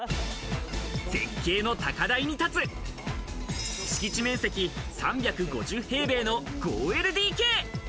絶景の高台に建つ、敷地面積３５０平米の５ＬＤＫ。